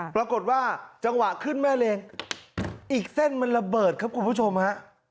ปรากฏว่าจังหวะขึ้นแม่เลงอีกเส้นมันระเบิดครับคุณผู้ชมฮะ